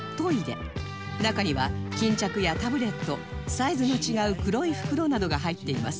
中には巾着やタブレットサイズの違う黒い袋などが入っています